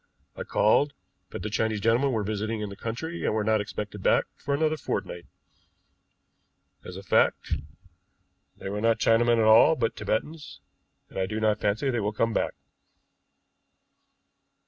I called, but the Chinese gentlemen were visiting in the country, and were not expected back for another fortnight. As a fact, they were not Chinamen at all, but Tibetans, and I do not fancy they will come back."